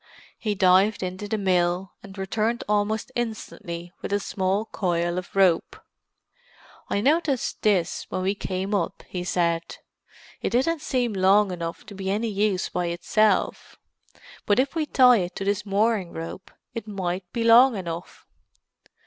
He dived into the mill, and returned almost instantly with a small coil of rope. "I noticed this when we came up," he said. "It didn't seem long enough to be any use by itself, but if we tie it to this mooring rope it might be long enough."